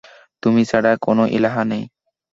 তুমি ছাড়া কোন ইলাহ নেই।